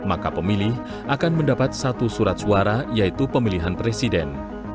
akan mendapat satu surat suara yaitu pemilihan presiden